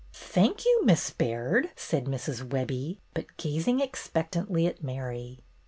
" Thank you. Miss Baird," said Mrs. Web bie, but gazing expectantly at Mary.